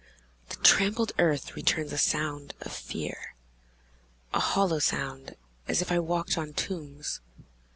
The trampled earth returns a sound of fear A hollow sound, as if I walked on tombs!